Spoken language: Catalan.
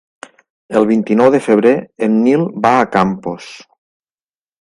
El vint-i-nou de febrer en Nil va a Campos.